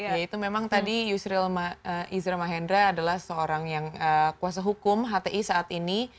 yaitu memang tadi yusril isra mahendra adalah seorang yang kuasa hukum hti saat ini